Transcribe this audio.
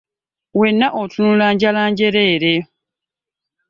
Wenna otunula njala njereere.